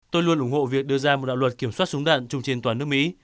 tôi luôn ủng hộ việc đưa ra một đạo luật kiểm soát súng đạn chung trên toàn nước mỹ